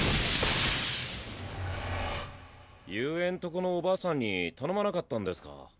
雄英んとこのお婆さんに頼まなかったンですか。